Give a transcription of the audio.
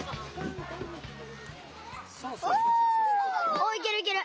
「おいけるいける。